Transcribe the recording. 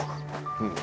うん。